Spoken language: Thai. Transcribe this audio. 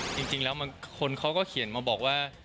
จริงแล้วคนเขาก็เขียนมาบอกว่า